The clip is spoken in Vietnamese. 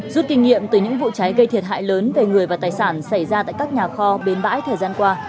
rút kinh nghiệm từ những vụ cháy gây thiệt hại lớn về người và tài sản xảy ra tại các nhà kho bến bãi thời gian qua